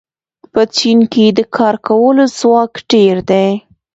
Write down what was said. په چین کې د کار کولو ځواک ډېر دی.